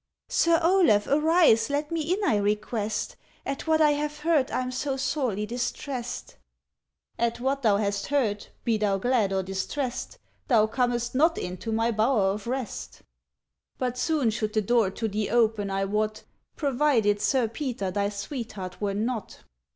ŌĆØ ŌĆ£Sir Olaf, arise, let me in I request, At what I have heard IŌĆÖm so sorely distrest. ŌĆØ ŌĆ£At what thou hast heard, be thou glad or distrest, Thou comest not into my bower of rest. ŌĆ£But soon should the door to thee open I wot, Provided Sir Peter thy sweetheart were not.